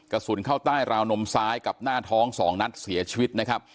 กระสุนเข้าใต้ราวนมซ้ายกับหน้าท้อง๒นัดเสียชีวิตนะครับ